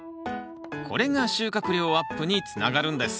これが収穫量アップにつながるんです。